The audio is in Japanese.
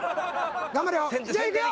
頑張れよいくよいくよ。